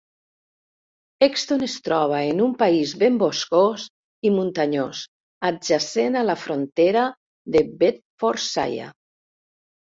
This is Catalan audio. Hexton es troba en un país ben boscós i muntanyós, adjacent a la frontera de Bedfordshire.